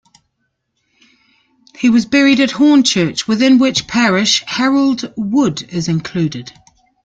He was buried at Hornchurch, within which parish Harold Wood is included.